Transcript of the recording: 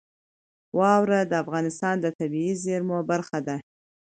واوره د افغانستان د طبیعي زیرمو برخه ده.